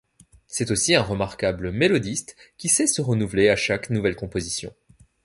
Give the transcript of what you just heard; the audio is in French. C'est aussi un remarquable mélodiste, qui sait se renouveler à chaque nouvelle composition.